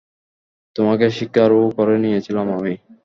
তোমাকে স্বীকারও করে নিয়েছিলাম আমি।